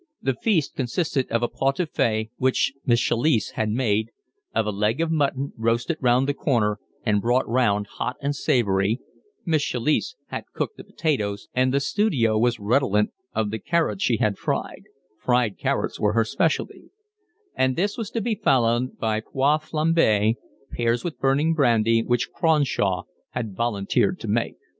The feast consisted of a pot au feu, which Miss Chalice had made, of a leg of mutton roasted round the corner and brought round hot and savoury (Miss Chalice had cooked the potatoes, and the studio was redolent of the carrots she had fried; fried carrots were her specialty); and this was to be followed by poires flambees, pears with burning brandy, which Cronshaw had volunteered to make.